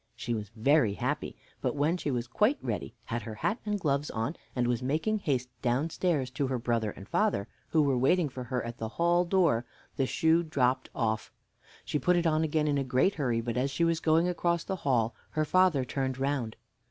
She was very happy; but, when she was quite ready, had her hat and gloves on, and was making haste downstairs to her brother and father, who were waiting for her at the hall door, the shoe dropped off. She put it on again in a great hurry, but, as she was going across the hall, her father turned round.